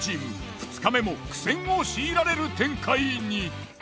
２日目も苦戦を強いられる展開に。